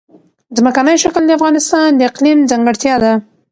ځمکنی شکل د افغانستان د اقلیم ځانګړتیا ده.